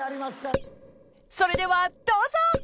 ［それではどうぞ！］